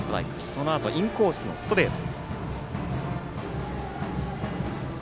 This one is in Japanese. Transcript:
そのあとインコースのストレート。